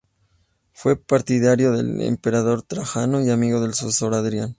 Fue partidario del emperador Trajano y amigo de su sucesor, Adriano.